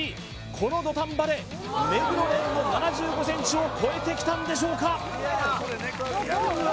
この土壇場で目黒蓮の７５ｃｍを超えてきたんでしょうか？